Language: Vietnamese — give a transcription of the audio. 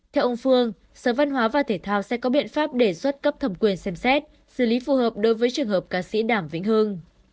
theo ông phương sở văn hóa và thể thao sẽ có biện pháp đề xuất cấp thẩm quyền xem xét xử lý phù hợp đối với trường hợp ca sĩ đảm vĩnh hương